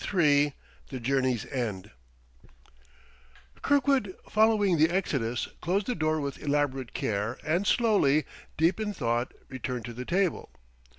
III THE JOURNEY'S END Kirkwood, following the exodus, closed the door with elaborate care and slowly, deep in thought, returned to the table.